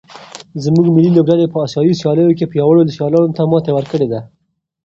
زموږ ملي لوبډلې په اسیايي سیالیو کې پیاوړو سیالانو ته ماتې ورکړې ده.